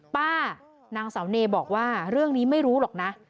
ป้านางเสาเนบอกว่าเรื่องนี้ไม่รู้หรอกนะ